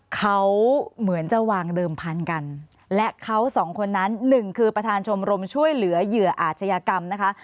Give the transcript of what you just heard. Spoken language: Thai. เขาเหมือนจะวางเดิมพันธุ์กันและเขาสองคนนั้นหนึ่งคือประธานชมรมช่วยเหลือเหยื่ออาชญากรรมนะคะ